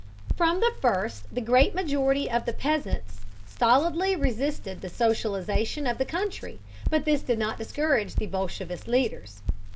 From the first, the great majority of the peasants stolidly resisted the socialization of the country, but this did not discourage the bolshevist leaders.